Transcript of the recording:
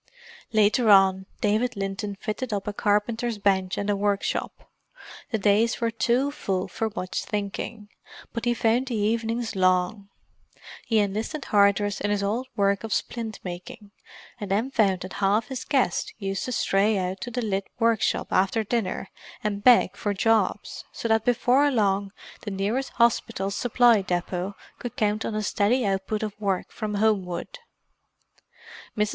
Later on, David Linton fitted up a carpenter's bench and a workshop; the days were too full for much thinking, but he found the evenings long. He enlisted Hardress in his old work of splint making, and then found that half his guests used to stray out to the lit workshop after dinner and beg for jobs, so that before long the nearest Hospital Supply Depot could count on a steady output of work from Homewood. Mrs.